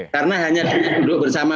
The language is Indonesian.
karena hanya dengan duduk bersama